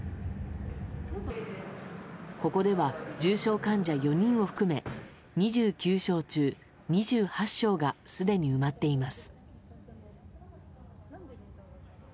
ここでは重症患者４人を含め２９床中２８床がすでに埋まっています。